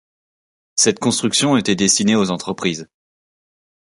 Cette construction était destinée aux entreprises.